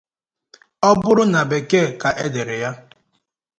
ọ bụrụ na bekee ka e dere ya